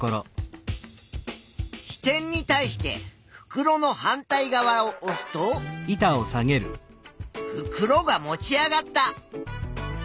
支点に対してふくろの反対側をおすとふくろが持ち上がった。